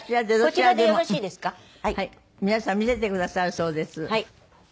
皆さん見せてくださるそうです。